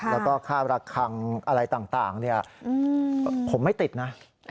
แล้วก็ค่าระคังอะไรต่างผมไม่ติดนะ